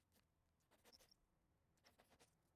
Permite liberar los sentidos.